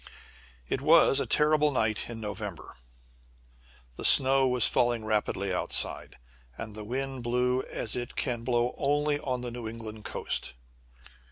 It was a terrible night in November. The snow was falling rapidly outside, and the wind blew as it can blow only on the New England coast.